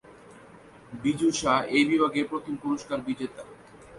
বিজু শাহ এই বিভাগে প্রথম পুরস্কার বিজেতা।